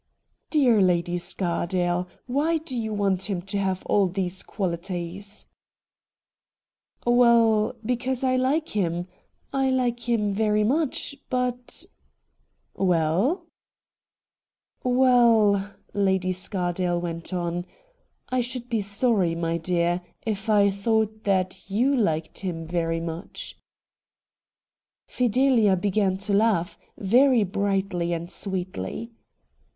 ' Dear Lady Scardale, why do you want him to have all these qualities .^'' Well, because I hke him — I like him very much — but '' Well ?'' Well,' Lady Scardale went on, ' I should be sorry, my dear, if I thought that you liked him very much 136 RED DIAMONDS Fidelia began to laugh, very brightly and sweetly.